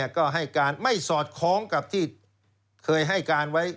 ก็ให้การไม่สอดคล้องกับที่เคยให้การไว้